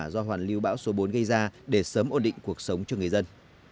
do hoàn lưu bão số bốn gây ra để sớm ổn định cuộc sống cho người dân